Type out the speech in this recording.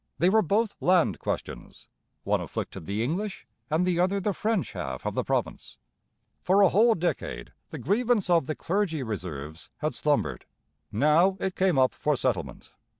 They were both land questions; one afflicted the English, and the other the French, half of the province. For a whole decade the grievance of the Clergy Reserves had slumbered; now it came up for settlement.